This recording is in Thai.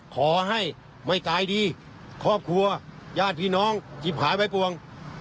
ขอให้ไม่ตายดีครอบครัวญาติพี่น้องหยิบขายไว้ปวง